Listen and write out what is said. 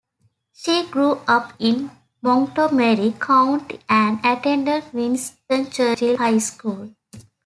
She grew up in Montgomery County and attended Winston Churchill High School.